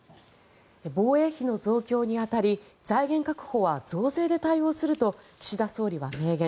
防衛費の増強に当たり財源確保は増税で対応すると岸田総理は明言。